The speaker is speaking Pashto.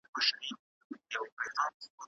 درد محسوس کړئ.